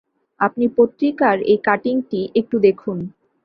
আপনি পত্রিকার এই কাটিংটি একটু দেখুন।